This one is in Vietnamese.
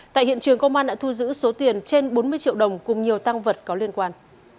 tại hiện trường công an đã thu giữ số tiền trên bốn mươi triệu đồng cùng nhiều tăng vật có liên quan